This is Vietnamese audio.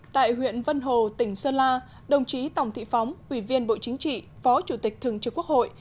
tại huyện vân hồ tỉnh sơn la đồng chí tòng thị phóng ủy viên bộ chính trị phó chủ tịch thường trực quốc hội